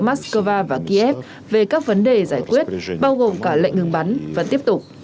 moscow và kiev về các vấn đề giải quyết bao gồm cả lệnh ngừng bắn và tiếp tục